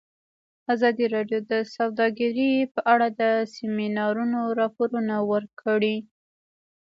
ازادي راډیو د سوداګري په اړه د سیمینارونو راپورونه ورکړي.